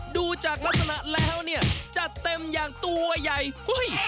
ดูจากลักษณะแล้วเนี่ยจัดเต็มอย่างตัวใหญ่เฮ้ย